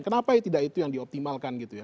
kenapa ya tidak itu yang dioptimalkan gitu ya